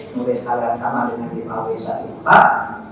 mulis hal yang sama dengan lima wsat bukal